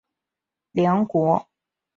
梁国雄及古思尧最后上诉至终审法院。